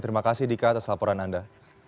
terima kasih dika atas laporan anda